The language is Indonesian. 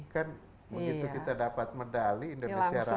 kan begitu kita dapat medali indonesia raya